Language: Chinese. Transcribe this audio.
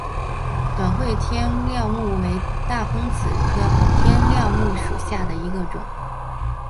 短穗天料木为大风子科天料木属下的一个种。